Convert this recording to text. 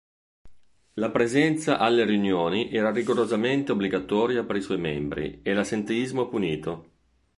La presenza alle riunioni era rigorosamente obbligatoria per i suoi membri e l'assenteismo punito.